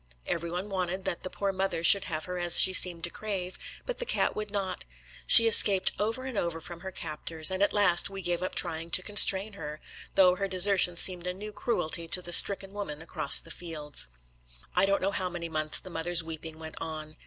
Every one wanted that the poor mother should have her as she seemed to crave, but the cat would not; she escaped over and over from her captors, and at last we gave up trying to constrain her, though her desertion seemed a new cruelty to the stricken woman across the fields. I don't know how many months the mother's weeping went on.